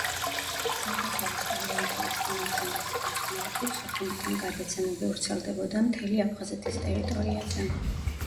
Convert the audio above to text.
საქართველოს ტელევიზიის თანამშრომელთა დახმარებით სოხუმიდან გადაცემები ვრცელდებოდა მთელი აფხაზეთის ტერიტორიაზე.